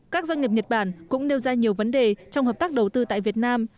các doanh nghiệp nhật bản cũng nêu ra nhiều vấn đề trong hợp tác đầu tư tại việt nam